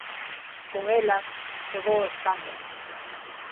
Con elas chegou o escándalo.